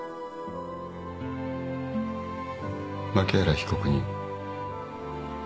槇原被告人。